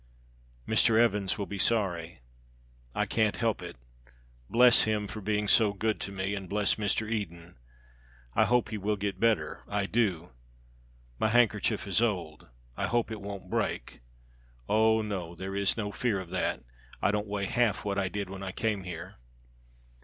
"Mr. Evans will be sorry. I can't help it. Bless him for being so good to me; and bless Mr. Eden. I hope he will get better, I do. My handkerchief is old, I hope it won't break; oh, no! there is no fear of that. I don't weigh half what I did when I came here.